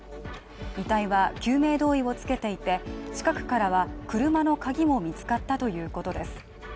遺体は救命胴衣を着けていて近くからは車の鍵も見つかったということです。